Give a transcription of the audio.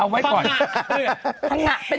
เอาไว้ก่อน